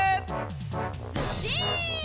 ずっしん！